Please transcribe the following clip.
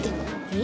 え？